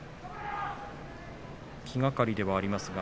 気がかりではありますが。